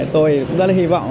tôi cũng rất là hy vọng